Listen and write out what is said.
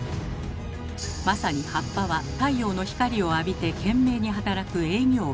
まさに葉っぱは太陽の光を浴びて懸命に働く営業部。